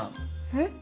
えっ？